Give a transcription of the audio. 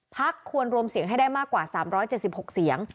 ควรรวมเสียงให้ได้มากกว่า๓๗๖เสียง